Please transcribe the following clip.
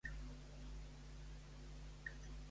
Amb què es desplaçaven les mullers?